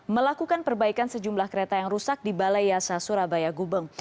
melakukan perbaikan sejumlah kereta yang rusak di balai yasa surabaya gubeng